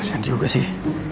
kasian juga sih